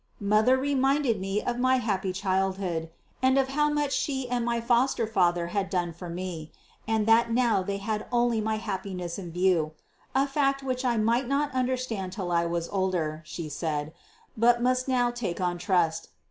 Mother reminded me of my happy childhood, and of how much she and my foster father had done for me, and that now they had only my happiness in view a fact which I might not understand till I was older, she said, but must now take on trust.